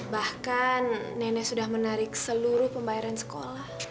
bahkan nenek sudah menarik seluruh pembayaran sekolah